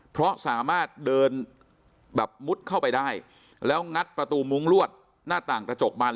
เพราะสามารถเดินแบบมุดเข้าไปได้แล้วงัดประตูมุ้งลวดหน้าต่างกระจกมัน